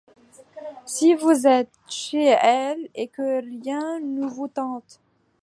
Si vous êtes "chez elle et que rien ne vous tente.